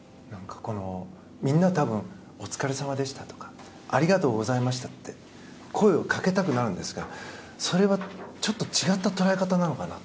みんな、多分お疲れさまでしたとかありがとうございましたって声をかけたくなるんですがそれはちょっと違った捉え方なのかな。